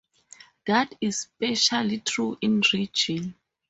That is especially true in religion.